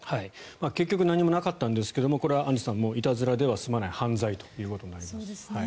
結局何もなかったんですけどこれはアンジュさんいたずらでは済まない犯罪ということになります。